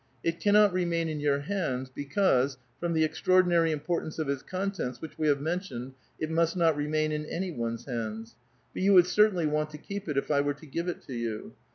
It cannot reinaiti in 3'our hands, because, from the extraordinary iui; portance of its contents, which we have mentioned, it must not remain in any one's hands. But you would certainly want to keep it if I were to give it to you.